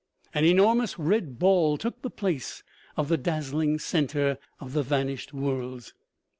An enormous red ball took the place of the dazzling center of the vanished worlds.